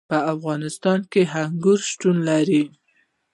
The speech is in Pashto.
په افغانستان کې انګور شتون لري.